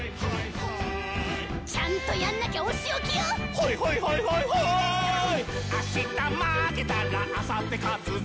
「ほいほいほいほいほーい」「あした負けたら、あさって勝つぞ！」